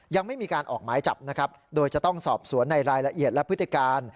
ยังไม่มีการออกหมายจับนะครับโดยจะต้องสอบสวนในรายละเอียดและพฤติการ